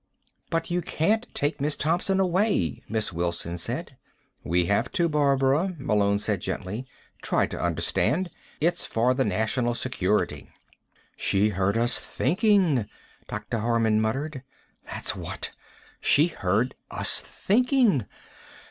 "But you can't take Miss Thompson away," Miss Wilson said. "We have to, Barbara," Malone said gently. "Try to understand. It's for the national security." "She heard us thinking," Dr. Harman muttered. "That's what; she heard us thinking.